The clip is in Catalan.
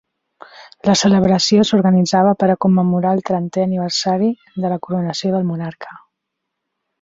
La celebració s'organitzava per a commemorar el trentè aniversari de la coronació del monarca.